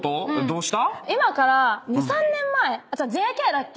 今から２３年前ＪＫだっけ？